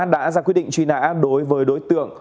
đã ra quyết định truy nã đối với đối tượng